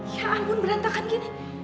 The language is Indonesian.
ya ampun berantakan gini